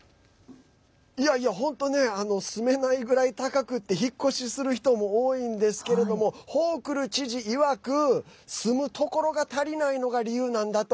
いやいや、本当ね住めないぐらい高くて引っ越しする人も多いんですけれどもホークル知事いわく住むところが足りないのが理由なんだと。